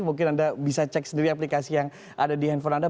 mungkin anda bisa cek sendiri aplikasi yang ada di handphone anda